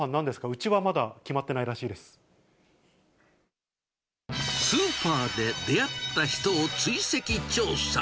うちはまだ決まってないらしいでスーパーで出会った人を追跡調査。